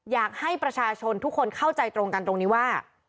อยากให้ประชาชนทุกคนเข้าใจตรงกันตรงนี้ว่า